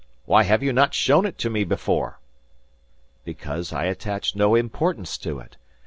Why have you not shown it to me before?" "Because I attached no importance to it.